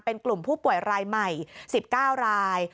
เป็นกลุ่มผู้ป่วยรายใหม่๑๙ราย